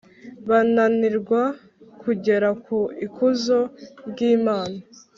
bananirwa kugera ku ikuzo ry’Imana